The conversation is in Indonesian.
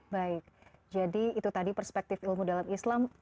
baik jadi itu tadi perspektif ilmu dalam islam